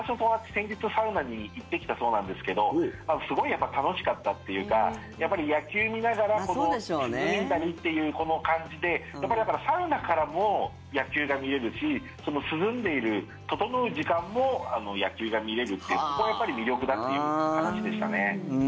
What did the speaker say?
先日、サウナに行ってきたそうなんですけどすごい楽しかったっていうかやっぱり野球見ながら涼んだりっていうこの感じでだからサウナからも野球が見れるし涼んでいる、ととのう時間も野球が見れるっていうそこがやっぱり魅力だっていう感じでしたね。